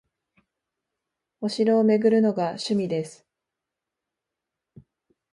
お城を巡るのが趣味です